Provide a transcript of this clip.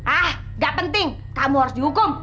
ah gak penting kamu harus dihukum